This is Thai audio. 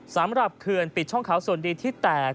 เขื่อนปิดช่องเขาส่วนดีที่แตก